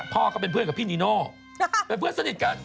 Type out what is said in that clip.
ก็เป็นเพื่อนกับพี่นีโน่เป็นเพื่อนสนิทกัน